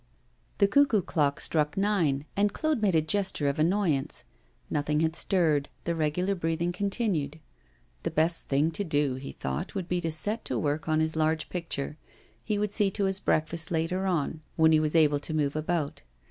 The cuckoo clock struck nine, and Claude made a gesture of annoyance. Nothing had stirred; the regular breathing continued. The best thing to do, he thought, would be to set to work on his large picture; he would see to his breakfast later on, when he was able to move about.